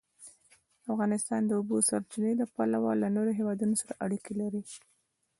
افغانستان د د اوبو سرچینې له پلوه له نورو هېوادونو سره اړیکې لري.